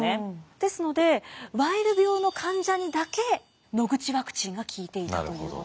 ですのでワイル病の患者にだけノグチワクチンが効いていたということでした。